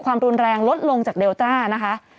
ความรุนแรงลดลงจากเดลต้านะคะ